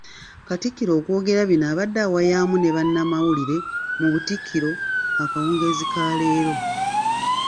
Katikkiro okwogera bino abadde awayamu ne bannamawulire mu Butikkiro akawungeezi ka leero.